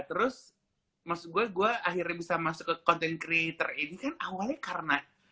terus maksud gue gue akhirnya bisa masuk ke content creator ini kan awalnya karena